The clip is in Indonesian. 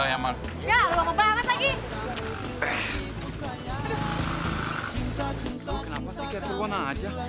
lo kenapa sih kayak terbunuh aja